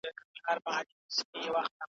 ماشوم په غېږ کې په ارامه خوب ته لاړ.